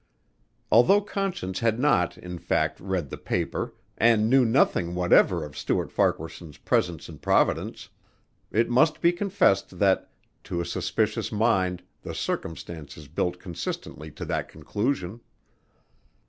Although Conscience had not, in fact, read the paper and knew nothing whatever of Stuart Farquaharson's presence in Providence, it must be confessed that, to a suspicious mind the circumstances built consistently to that conclusion.